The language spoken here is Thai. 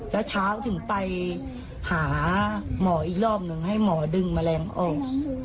แล้วเช้าถึงไปหาหมออีกรอบหนึ่งให้หมอดึงแมลงออก